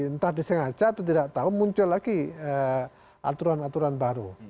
entah disengaja atau tidak tahu muncul lagi aturan aturan baru